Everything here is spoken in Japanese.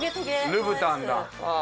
ルブタンだ。